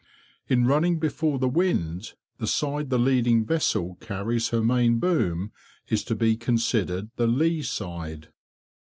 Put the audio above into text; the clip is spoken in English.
In running before the wind, the side the leading vessel carries her main boom is to be considered the lee side.